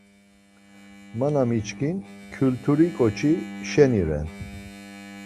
Ma na miçkin, kyulturi ǩoçi şeni ren.